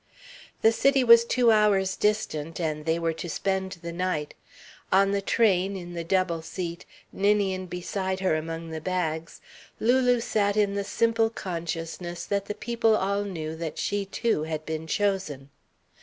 The city was two hours' distant, and they were to spend the night. On the train, in the double seat, Ninian beside her among the bags, Lulu sat in the simple consciousness that the people all knew that she too had been chosen.